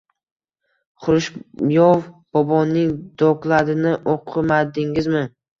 Xrushyov boboning dokladini o‘qimadingizmi?